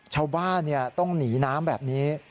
ชาวบ้านต้องหนีน้ำแบบนี้